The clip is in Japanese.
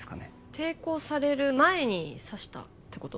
抵抗される前に刺したってこと？